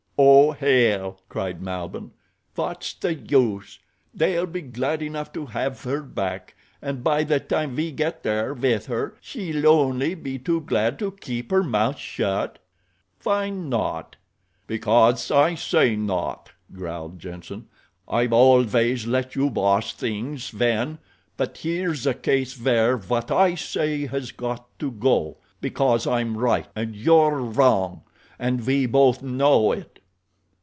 "Oh, hell," cried Malbihn. "What's the use? They'll be glad enough to have her back, and by the time we get there with her she'll be only too glad to keep her mouth shut. Why not?" "Because I say not," growled Jenssen. "I've always let you boss things, Sven; but here's a case where what I say has got to go—because I'm right and you're wrong, and we both know it."